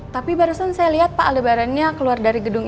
tapi barusan saya lihat pak lebarannya keluar dari gedung ini